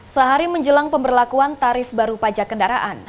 sehari menjelang pemberlakuan tarif baru pajak kendaraan